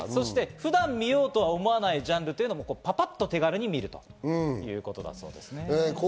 そして、普段見ようと思わないジャンルをパパッと手軽に見るということだそうです。